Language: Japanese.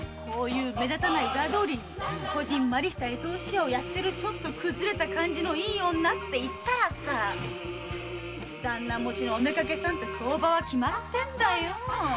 目立たない裏通りにこじんまりと絵草紙屋やってるちょっとくずれた感じのいい女っていったらさぁ旦那持ちのお妾さんって相場は決まってんだよぉ！